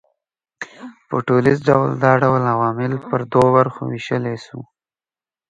په ټوليز ډول دا ډول عوامل پر دوو برخو وېشلای سو